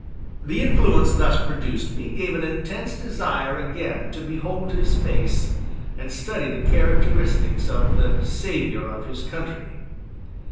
The influence thus produced gave me an intense desire again to behold his face and study the characteristics of the "Savior of his Country."